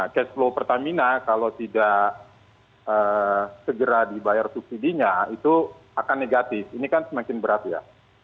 cashflow pertamina kalau tidak segera dibayar subsidi nya itu akan negatif ini kan semakin berat ya